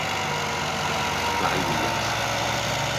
Fly Williams